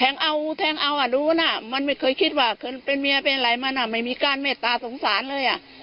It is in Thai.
เอาแทงเอาอ่ะรู้นะมันไม่เคยคิดว่าเคยเป็นเมียเป็นอะไรมันไม่มีการเมตตาสงสารเลยอ่ะ